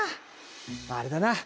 あれだな。